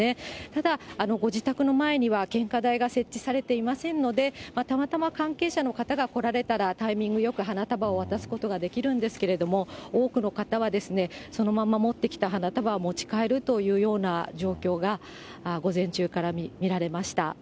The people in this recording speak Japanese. ただ、ご自宅の前には献花台が設置されていませんので、たまたま関係者の方が来られたらタイミングよく花束を渡すことができるんですけれども、多くの方は、そのまんま持ってきた花束を持ち帰るというような状況が、午前中から見られました。